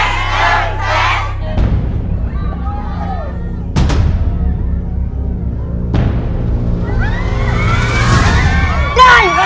งัน